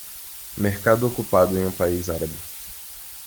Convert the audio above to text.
Mercado ocupado em um país árabe.